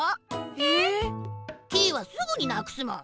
えっ！？キイはすぐになくすもん！